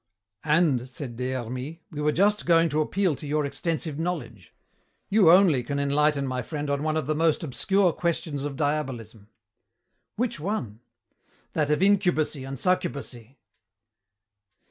"And," said Des Hermies, "we were just going to appeal to your extensive knowledge. You only can enlighten my friend on one of the most obscure questions of Diabolism." "Which one?" "That of incubacy and succubacy."